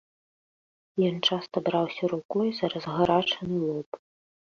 Ён часта браўся рукою за разгарачаны лоб.